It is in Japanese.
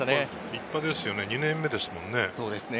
立派ですよね、２年目ですものね。